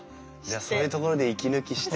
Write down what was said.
そういうところで息抜きして。